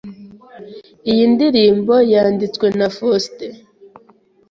Iyi ndirimbo yanditswe na Foster.